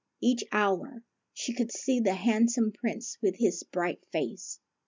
Each hour she could see the handsome Prince with his bright face.